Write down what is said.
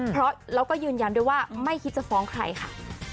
เพราะแล้วก็ยืนยันด้วยว่าไม่คิดจะฟ้องใครค่ะ